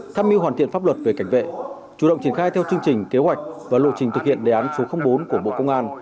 tham mưu hoàn thiện pháp luật về cảnh vệ chủ động triển khai theo chương trình kế hoạch và lộ trình thực hiện đề án số bốn của bộ công an